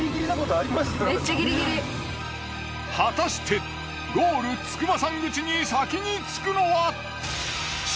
果たしてゴール筑波山口に先に着くのは？